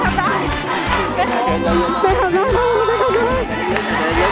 ทำได้ไม่ทำได้